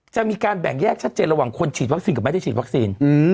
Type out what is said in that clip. จะมีการแบ่งแยกชัดเจนระหว่างคนฉีดวัคซีนกับไม่ได้ฉีดวัคซีน